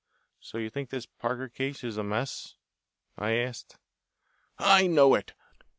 "So you think this Parker case is a mess?" I asked. "I know it.